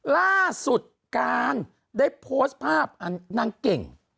ล่าสุดการได้โพสต์ภาพอันนางเก่ง